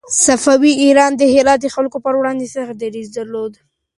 صفوي ایران د هرات د خلکو پر وړاندې سخت دريځ درلود.